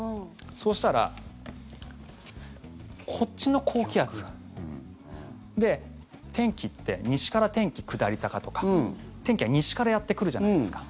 そうしたら、こっちの高気圧で、天気って西から天気下り坂とか天気は西からやってくるじゃないですか。